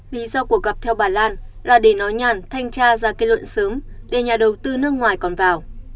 lý do cuộc gặp theo bà lan là để nói nhàn thanh tra ra kết luận sớm để nhà đầu tư nước ngoài còn vào